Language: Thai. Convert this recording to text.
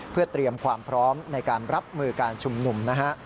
เพื่อเตรียมความพร้อมในการรับมือการชุมนุมนะฮะ